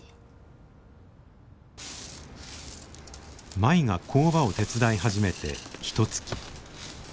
舞が工場を手伝い始めてひとつき。